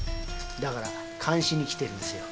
だから監視に来てるんですよ。